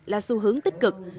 là xu hướng tích cực